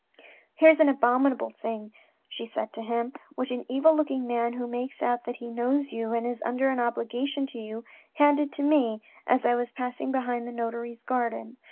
" Here's an abominable thing," she said to him, " which an evil looking man who makes out that he knows you and is under an obligation to you, handed to me as I was passing behind the notary's garden.